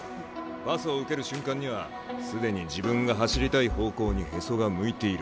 パスを受ける瞬間には既に自分が走りたい方向にへそが向いている。